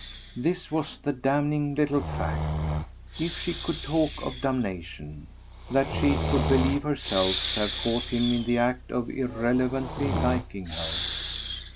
This was the damning little fact if she could talk of damnation: that she could believe herself to have caught him in the act of irrelevantly liking her.